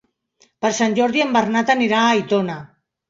Per Sant Jordi en Bernat anirà a Aitona.